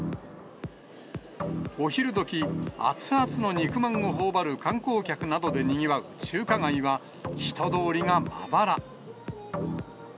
お昼どき、熱々の肉まんをほおばる観光客などでにぎわう中華街は、人通りがまばら。